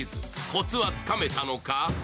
コツはつかめたのか？